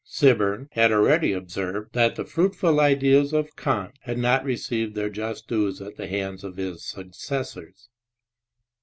Sibbern had already observed that the fruitful ideas of Kant had not received their just dues at the hands of his successors.